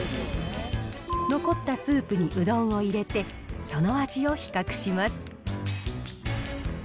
残ったスープにうどんを入れて、その味を比較します。